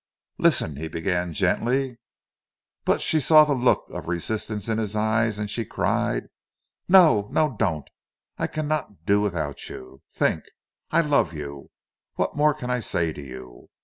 "Listen," he began gently. But she saw the look of resistance in his eyes, and she cried "No no—don't! I cannot do without you! Think! I love you! What more can I say to you?